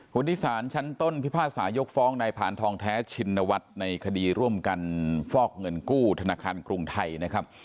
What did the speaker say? วันนี้สารชั้นต้นพิพากษายกฟ้องนายผ่านทองแท้ชินวัฒน์ในคดีร่วมกันฟอกเงินกู้ธนาคารกรุงไทยนะครับ